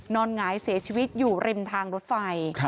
หงายเสียชีวิตอยู่ริมทางรถไฟ